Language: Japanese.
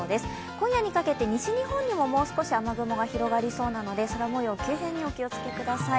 今夜にかけて西日本にももう少し雨雲が広がりそうなので空もよう、急変にお気をつけください。